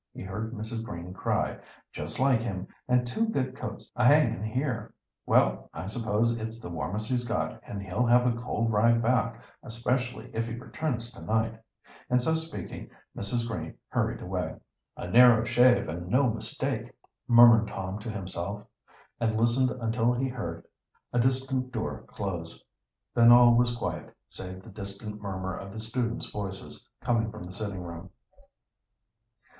he heard Mrs. Green cry. "Just like him, and two good coats a hanging here. Well, I suppose it's the warmest he's got, and he'll have a cold ride back, especially if he returns to night." And so speaking Mrs. Green hurried away. "A narrow shave, and no mistake," murmured Tom to himself, and listened until he heard a distant door close. Then all was quiet, save the distant murmur of the student's voices, coming from the sitting room.